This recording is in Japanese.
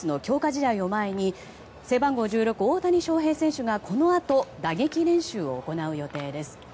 試合の前に背番号１６、大谷翔平選手がこのあと打撃練習を行う予定です。